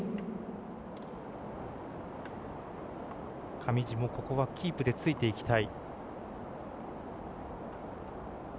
上地もここはキープでついていきたい。